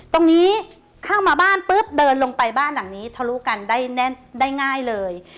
ตรงนี้เข้ามาบ้านปุ๊บเดินลงไปบ้านหลังนี้ทะลุกันได้ง่ายเลย